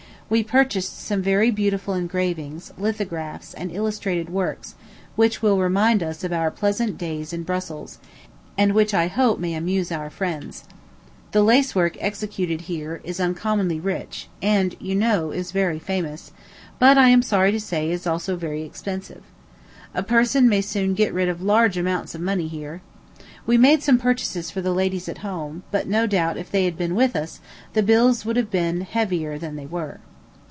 We purchased some very beautiful engravings, lithographs, and illustrated works, which will remind us of our pleasant days in Brussels, and which I hope may amuse our friends. The lacework executed here is uncommonly rich, and, you know, is very famous; but, I am sorry to say, also very expensive. A person may soon get rid of large amounts of money here. We made some purchases for the ladies at home; but no doubt, if they had been with us, the bills would have been heavier than they were.